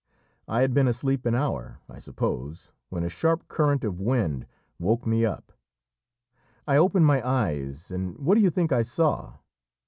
I had been asleep an hour, I suppose, when a sharp current of wind woke me up. I opened my eyes, and what do you think I saw?